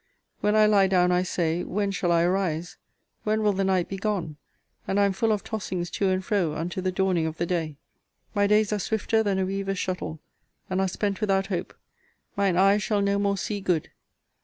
When I lie down, I say, When shall I arise? When will the night be gone? And I am full of tossings to and fro, unto the dawning of the day. My days are swifter than a weaver's shuttle, and are spent without hope mine eye shall no more see good.